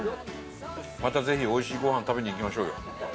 またぜひおいしいごはん食べに行きましょうよ。